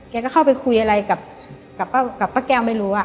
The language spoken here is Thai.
แกก็เข้าไปคุยอะไรกับป้าแก้วไม่รู้